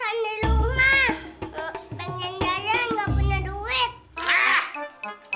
pengen jalan gak punya duit